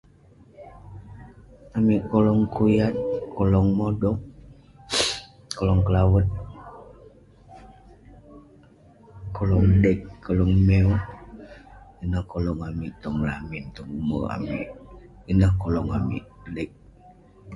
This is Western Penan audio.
Amik kolong kuyat kolong modok kolong kelawet kolong dek kolong miow ineh kolong amik tong lamin tong umek amik ineh kolong dek